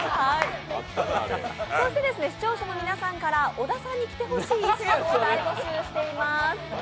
そして、視聴者の皆さんから小田さんに着てほしい衣装を大募集しています。